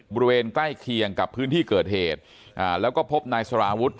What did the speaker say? บริเวณใกล้เคียงกับพื้นที่เกิดเหตุอ่าแล้วก็พบนายสารวุฒิ